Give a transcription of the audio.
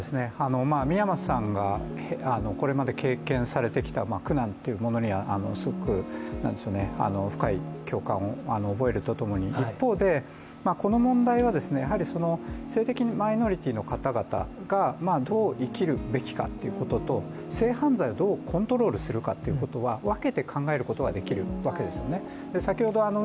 美山さんがこれまで経験されてきた苦難というものにはすごく深い共感を覚えるとともに一方で、この問題はやはり性的マイノリティの方々がどう生きるべきかということと性犯罪をどうコントロールするかは分けて考えることができるわけですよね。